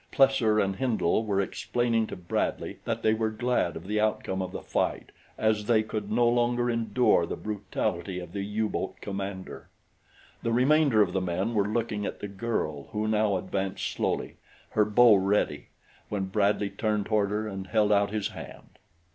Plesser and Hindle were explaining to Bradley that they were glad of the outcome of the fight, as they could no longer endure the brutality of the U boat commander. The remainder of the men were looking at the girl who now advanced slowly, her bow ready, when Bradley turned toward her and held out his hand.